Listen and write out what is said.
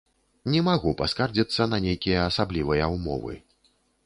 Не магу паскардзіцца на нейкія асаблівыя ўмовы.